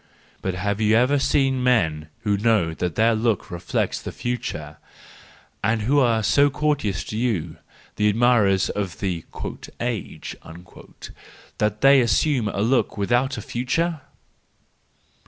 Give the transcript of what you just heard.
—But have you ever seen men who know that their looks reflect the future, and who are so courteous to you, the admirers of the " age/' that they assume a look without a future.